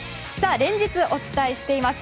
連日お伝えしています